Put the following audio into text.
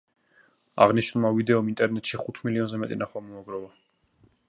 აღნიშნულმა ვიდეომ ინტერნეტში ხუთ მილიონზე მეტი ნახვა მოაგროვა.